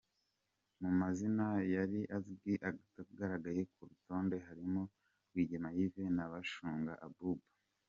Mu mazina yari azwi atagaragaye ku rutonde harimo Rwigema Yves na Bashunga Abuba .